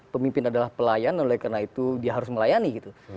pemimpin adalah pelayan oleh karena itu dia harus melayani gitu